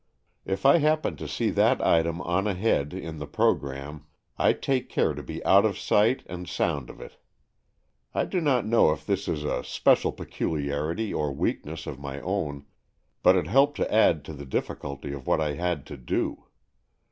If I happen to see that item on ahead in the pro gramme, I take care to be out of sight and sound of it. I do not know if this is a special peculiarity or weakness of my own, but it helped to add to the difficulty of what I had to do.